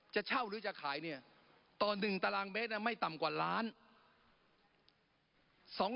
จะเช่าหรือจะขายเนี่ยต่อ๑ตารางเมตรไม่ต่ำกว่าล้าน